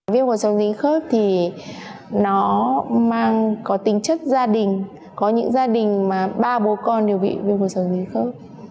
viêm cột sống dính khớp thì nó mang có tính chất gia đình có những gia đình mà ba bố con đều bị viêm cột sống dính khớp